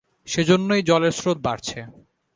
সেজন্যই জলের স্রোত বাড়ছে।